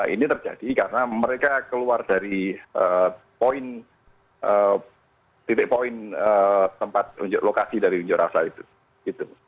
ini terjadi karena mereka keluar dari poin titik poin tempat lokasi dari unjuk rasa itu